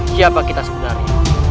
siapa kita sebenarnya